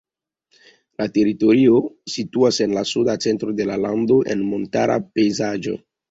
La teritorio situas en la suda centro de la lando, en montara pejzaĝo.